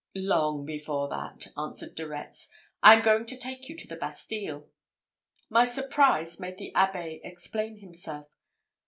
"Long before that," answered De Retz. "I am going to take you to the Bastille." My surprise made the Abbé explain himself.